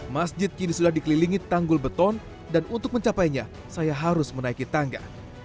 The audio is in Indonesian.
masjid kini sudah dikelilingi tanggul beton dan untuk mencapainya saya harus menaiki tangga